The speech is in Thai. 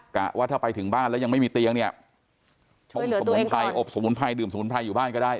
กะว่าถ้าไปถึงบ้านแล้วยังไม่มีเตียงเนี่ยต้มสมุนไพรอบสมุนไพรดื่มสมุนไพรอยู่บ้านก็ได้